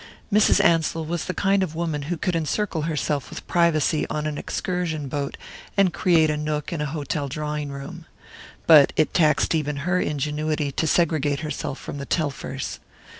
Mrs. Ansell was the kind of woman who could encircle herself with privacy on an excursion boat and create a nook in an hotel drawing room, but it taxed even her ingenuity to segregate herself from the Telfers.